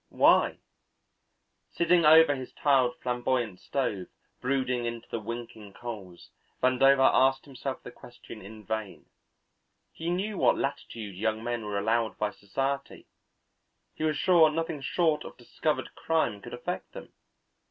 Why? Sitting over his tiled flamboyant stove, brooding into the winking coals, Vandover asked himself the question in vain. He knew what latitude young men were allowed by society; he was sure nothing short of discovered crime could affect them.